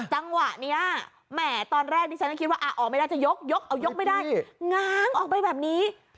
จังหวะนี้แหมตอนแรกนี้ฉันก็คิดว่าออกไม่ได้จะยกยกเอายกไม่ได้